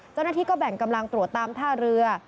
เจ้าหน้าที่ก็แบ่งกำลังตรวจตามท่าเรือ